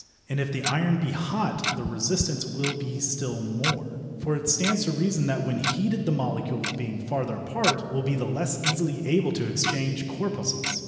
And if the iron be hot the resistance will be still more, for it stands to reason that when heated the molecules, being farther apart, will be the less easily able to exchange corpuscles.